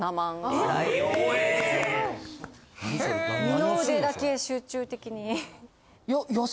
二の腕だけ集中的に。